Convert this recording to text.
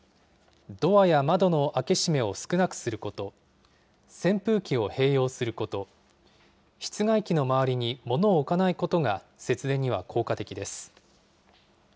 ドアや窓の開け閉めを少なくすること、扇風機を併用すること、室外機の周りに物を置かないことが、節電には効果的です。